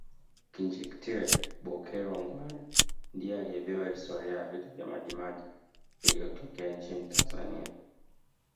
Kinjekitile Bokero Ngwale ndiye anayebeba historia ya vita vya majimaji iliyotokea nchini Tanzania